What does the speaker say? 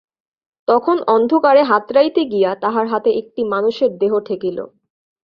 তখন অন্ধকারে হাতড়াইতে গিয়া তাহার হাতে একটি মানুষের দেহ ঠেকিল।